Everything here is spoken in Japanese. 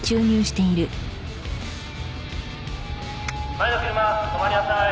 ・前の車止まりなさい。